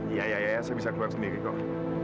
iya iya saya bisa keluar sendiri kok